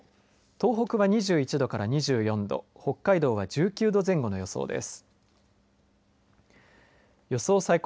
東北は２１度から２４度北海道は１９度前後の予想です。